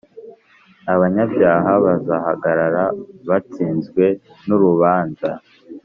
abanyabyaha bazahagarara batsinzwe n’urubanza.